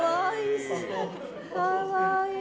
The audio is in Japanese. かわいい。